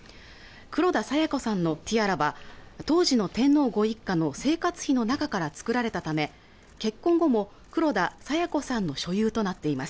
黒田清子さんのティアラは当時の天皇ご一家の生活費の中から作られたため結婚後も黒田清子さんの所有となっています